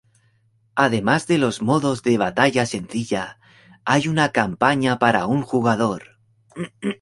Además de los modos de batalla sencilla, hay una campaña para un jugador.